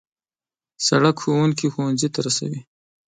سړک ښوونکي ښوونځي ته رسوي.